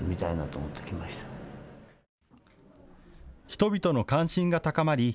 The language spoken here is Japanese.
人々の関心が高まり